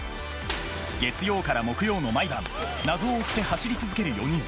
月曜から木曜の毎晩謎を追って走り続ける４人。